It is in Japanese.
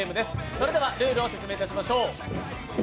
それでは、ルールを説明いたしましょう。